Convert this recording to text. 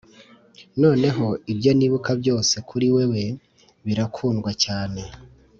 noneho ibyo nibuka byose kuri wewe birakundwa cyane,